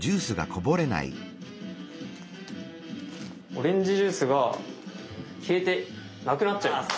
オレンジジュースが消えてなくなっちゃいます！